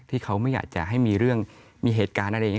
ที่เขาไม่อยากจะให้มีเรื่องมีเหตุการณ์อะไรอย่างนี้